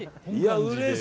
うれしい。